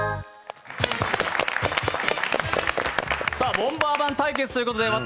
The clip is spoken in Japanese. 「ボンバーマン」対決ということで私